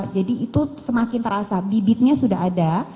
jadi itu semakin terasa bibitnya sudah ada